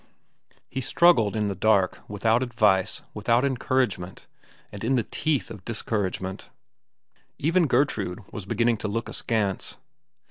He struggled in the dark, without advice, without encouragement, and in the teeth of discouragement. Even Gertrude was beginning to look askance.